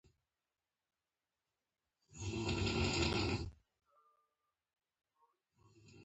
زردالو خوړل طبیعي درمل دي.